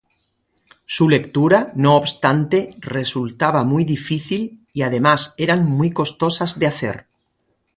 Su lectura, no obstante, resultaba muy difícil y además eran muy costosas de hacer.